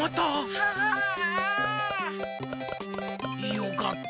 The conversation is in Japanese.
よかった。